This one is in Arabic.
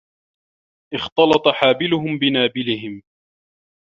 اختلط حابلهم بنابلهم